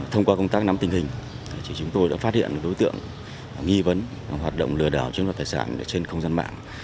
thông qua công tác nắm tình hình chúng tôi đã phát hiện đối tượng nghi vấn hoạt động lừa đảo chiếm đoạt tài sản trên không gian mạng